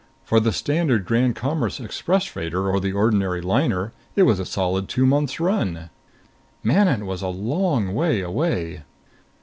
For the standard Grand Commerce express freighter or the ordinary liner it was a solid two months' run. Manon was a long way away!